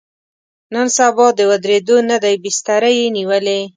نن سبا د ودرېدو نه دی، بستره یې نیولې.